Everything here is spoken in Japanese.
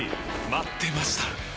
待ってました！